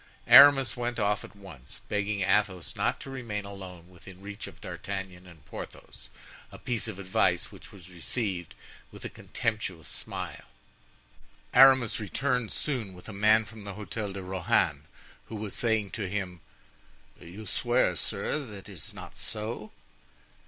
Aramis went off at once, begging Athos not to remain alone within reach of D'Artagnan and Porthos; a piece of advice which was received with a contemptuous smile. Aramis returned soon with a man from the Hotel de Rohan, who was saying to him: "You swear, sir, that it is not so?"